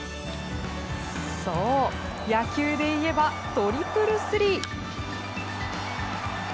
そう、野球でいえばトリプル３。